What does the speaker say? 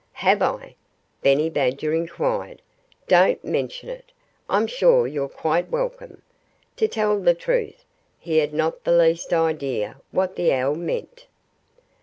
"Have I?" Benny Badger inquired. "Don't mention it! I'm sure you're quite welcome." To tell the truth, he had not the least idea what the owl meant.